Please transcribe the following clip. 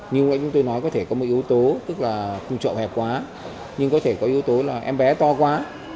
nhưng mà chúng tôi nói có thể có một yếu tố tức là không trậu hẹp quá nhưng có thể có yếu tố là em bé to quá